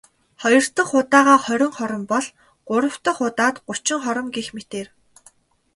Хоёр дахь удаагаа хорин хором бол.. Гурав дахь удаад гучин хором гэх мэтээр.